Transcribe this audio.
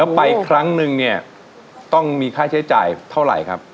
ไปครั้งนึงเนี่ยต้องมีค่าใช้จ่ายเท่าไหร่ครับ